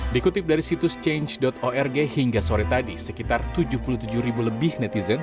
dikutip dari situs change org hingga sore tadi sekitar tujuh puluh tujuh ribu lebih netizen